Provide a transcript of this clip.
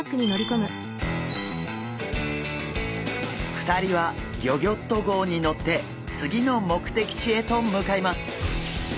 ２人はギョギョッと号にのってつぎの目てき地へとむかいます。